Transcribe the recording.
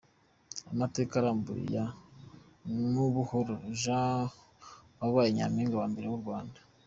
Amateka arambuye ya Nubuhoro Jeanne wabaye Nyampinga wa mbere w’u Rwanda.